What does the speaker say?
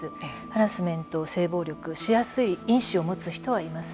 ハラスメント、性暴力をしやすい因子を持つ人はいます。